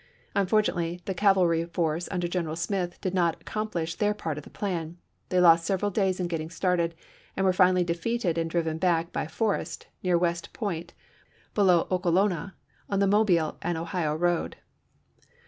Unfortunately the cavalry force under General Smith did not accom plish their part of the plan. They lost several days in getting started and were finally defeated and driven back by Forrest, near West Point, below Okolona on the Mobile and Ohio road.